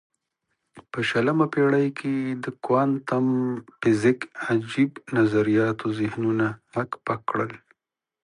په شلمه پېړۍ کې د کوانتم فزیک عجیب نظریاتو ذهنونه هک پک کړل.